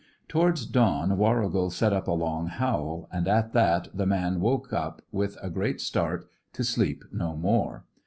Towards dawn Warrigal set up a long howl, and at that the man woke with a great start, to sleep no more.